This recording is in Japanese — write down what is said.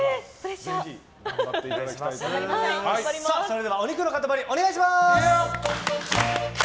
それではお肉の塊お願いします。